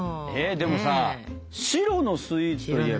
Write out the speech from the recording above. でもさ白のスイーツといえば？